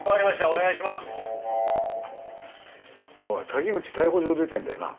おい滝口逮捕状出てるんだよな？